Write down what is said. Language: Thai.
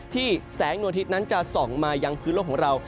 ที่แสงนวดทิศนั้นจะส่องมายังพื้นโลกของเรา